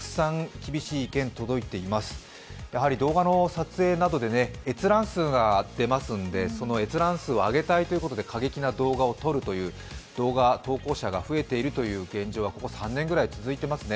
やはり動画の撮影などで閲覧数が出ますんでその閲覧数を上げたいということで過激な動画を撮るという動画投稿者が増えているという現状がここ３年ぐらい続いていますね。